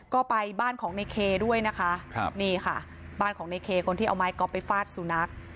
ก็ไปบ้านของในเคด้วยนะคะครับนี่ค่ะบ้านของในเคคนที่เอาไม้ก๊อฟไปฟาดสุนัข